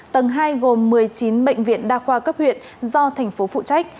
tầng hai gồm một mươi chín bệnh viện đa khoa cấp huyện do thành phố phụ trách